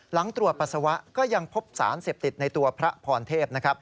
หลังตรวจปัสสาวะก็ยังพบสารเสพติดในตัวพระพรเทพนะครับ